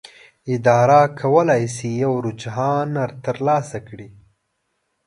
اداره کولی شي یو رجحان ترلاسه کړي.